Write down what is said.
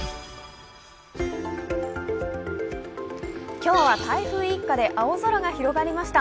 今日は台風一過で、青空が広がりました。